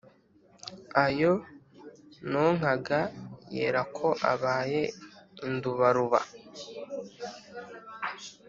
Ayo nonkaga yera Ko Abaye indubaruba